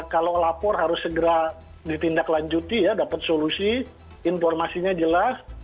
kalau lapor harus segera ditindaklanjuti ya dapat solusi informasinya jelas